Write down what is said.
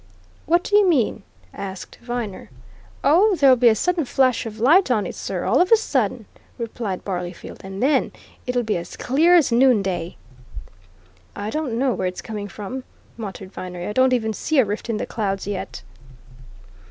"What do you mean?" asked Viner. "Oh, there'll be a sudden flash of light on it, sir, all of a sudden," replied Barleyfield. "And then it'll be as clear as noonday." "I don't know where it's coming from!" muttered Viner. "I don't even see a rift in the clouds yet."